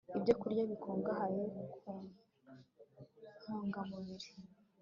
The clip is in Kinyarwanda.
ibyokurya bikungahaye ku ntungamubiri